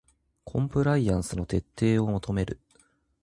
コンプライアンスの徹底を求める